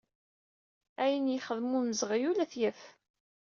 Ayen yexdem umzeɣyul ad t-yaf.